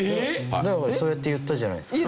だからそうやって言ったじゃないですか。